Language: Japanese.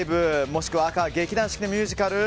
もしくは赤、劇団四季のミュージカル。